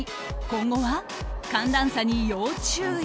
今後は寒暖差に要注意。